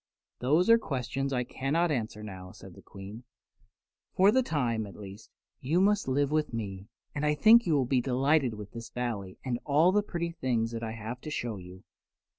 "Those are questions I cannot answer now," said the Queen. "For the time, at least, you must live with me, and I think you will be delighted with this Valley and all the pretty things I have to show you.